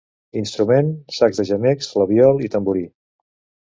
Instruments: sac de gemecs, flabiol i tamborí.